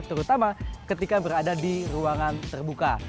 terutama ketika berada di ruangan terbuka